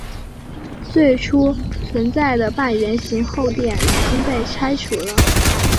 最初存在的半圆形后殿已经被拆除了。